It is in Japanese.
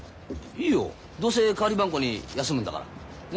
いいよどうせ代わりばんこに休むんだから。ね！